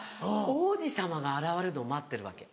王子様が現れるのを待ってるわけ。